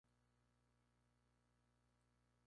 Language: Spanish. La sede del condado es Sycamore.